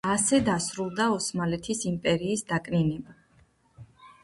ასე დასრულდა ოსმალეთის იმპერიის დაკნინება.